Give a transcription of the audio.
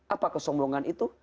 apa kesombongan itu